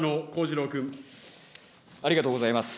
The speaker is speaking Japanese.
ありがとうございます。